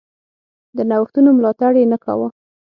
د نوښتونو ملاتړ یې نه کاوه.